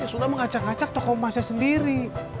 yang sudah mengajak ajak tokoh emasnya sendiri